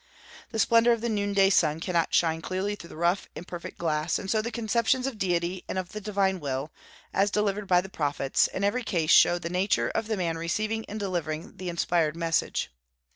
The splendor of the noonday sun cannot shine clearly through rough, imperfect glass; and so the conceptions of Deity and of the divine will, as delivered by the prophets, in every case show the nature of the man receiving and delivering the inspired message.